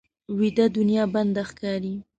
ویده دنیا بنده ښکاري